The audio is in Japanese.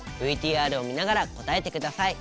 ＶＴＲをみながらこたえてください。